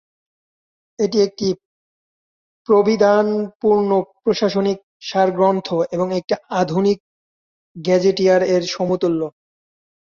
এটি একটি প্রবিধানপূর্ণ প্রশাসনিক সারগ্রন্থহ এবং একটি আধুনিক গেজেটিয়ার এর সমতুল্য।